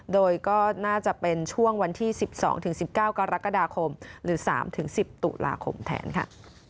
โดยก็น่าจะเป็นช่วงวันที่๑๒๑๙กรกฎาคมหรือ๓๑๐ตุลาคมแทนค่ะ